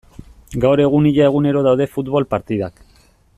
Gaur egun ia egunero daude futbol partidak.